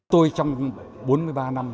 tôi trong bốn mươi ba năm